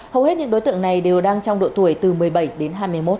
hầu hết những đối tượng này đều đang trong độ tuổi từ một mươi bảy đến hai mươi một